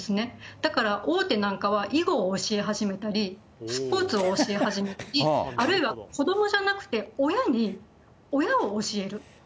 だから大手なんかは囲碁を教え始めたり、スポーツを教え始めたり、あるいは子どもじゃなくて親に、親を教える。